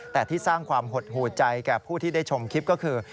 แต่ที่สร้างความหดหูใจแก่ผู้ที่ได้ชมคลิปก็คือ